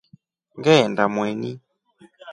Ngeenda Mweni.